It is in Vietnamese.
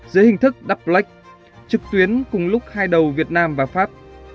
giữa hình thức doublex trực tuyến cùng lúc hai đầu việt nam và pháp